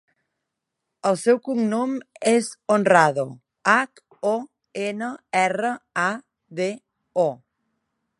El seu cognom és Honrado: hac, o, ena, erra, a, de, o.